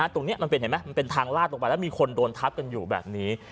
ตรงนี้มันเป็นทางลาดลงไปแล้วมีคนโดนทับกันอยู่แบบนี้